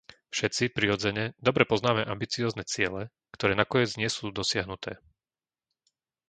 Všetci, prirodzene, dobre poznáme ambiciózne ciele, ktoré nakoniec nie sú dosiahnuté.